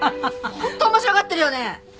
本当面白がってるよね！